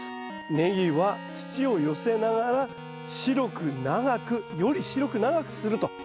ネギは土を寄せながら白く長くより白く長くするというのが大事です。